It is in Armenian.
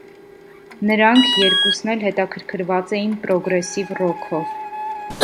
Նրանք երկուսն էկ հոտաքրքրված էին պրոգրեսիվ ռոքով։